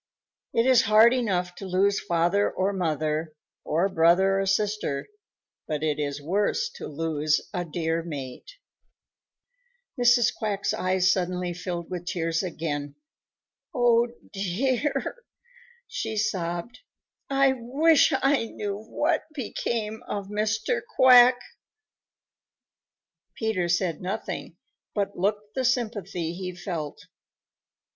It is hard enough to lose father or mother or brother or sister, but it is worse to lose a dear mate." Mrs. Quack's eyes suddenly filled with tears again. "Oh, dear," she sobbed, "I wish I knew what became of Mr. Quack." Peter said nothing, but looked the sympathy he felt.